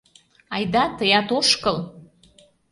Айда, тыят ошкыл!